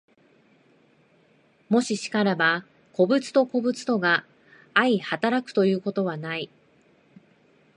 もし然らば、個物と個物とが相働くということはない。